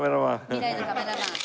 未来のカメラマン。